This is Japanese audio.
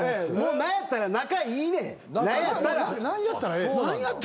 「何やったら仲いいねん」